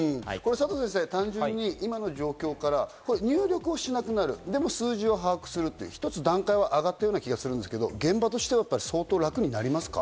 佐藤先生、単純に今の状況から入力をしなくなる、でも数字を把握する、一つ段階が上がった気がするんですけど現場としては相当楽になりますか？